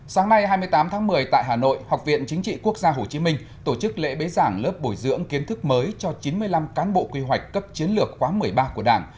sáng nay hai mươi tám tháng một mươi tại hà nội học viện chính trị quốc gia hồ chí minh tổ chức lễ bế giảng lớp bồi dưỡng kiến thức mới cho chín mươi năm cán bộ quy hoạch cấp chiến lược quá một mươi ba của đảng